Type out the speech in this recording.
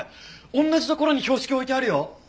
同じ所に標識置いてあるよ。